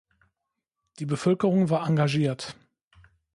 Die Bevölkerung war engagiert.